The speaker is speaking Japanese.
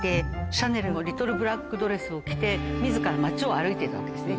シャネルのリトルブラックドレスを着て自ら街を歩いていたわけですね。